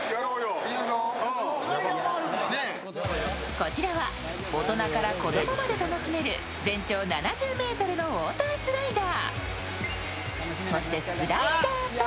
こちら大人から子供まで楽しめる全長７０ｍのウォータースライダー。